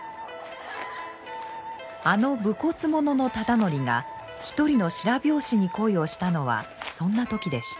あの武骨者の忠度が一人の白拍子に恋をしたのはそんな時でした。